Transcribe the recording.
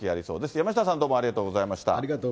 山下さん、どうもありがとうございました。